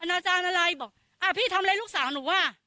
อาจารย์อะไรบอกอ่าพี่ทำอะไรลูกสาวหนูอ่ะ